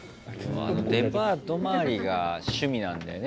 デパートまわりが趣味なんだよね